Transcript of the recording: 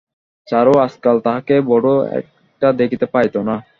চারুও আজকাল তাহাকে বড়ো একটা দেখিতে পাইত না।